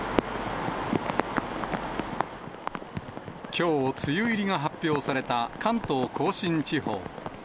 きょう、梅雨入りが発表された関東甲信地方。